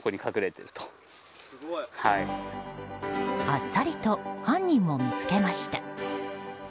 あっさりと犯人を見つけました。